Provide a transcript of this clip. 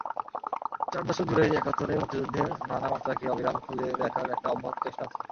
চার দশকজুড়েই একাত্তরের মুক্তিযুদ্ধের নানা মাত্রাকে অবিরাম খুঁড়ে দেখার একটা অব্যাহত চেষ্টা আছে।